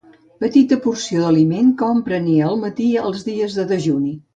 Petita porció d'aliment que hom prenia al matí els dies de dejuni.